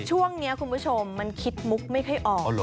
ช่วงนี้คุณผู้ชมมันคิดมุกไม่ค่อยออก